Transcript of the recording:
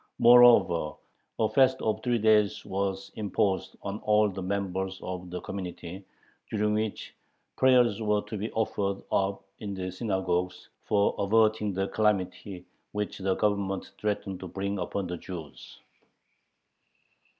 Moreover, a fast of three days was imposed on all the members of the community, during which prayers were to be offered up in the synagogues for averting the calamity which the Government threatened to bring upon the Jews.